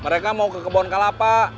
mereka mau ke kebun kalapa